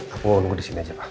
aku nunggu di sini aja pak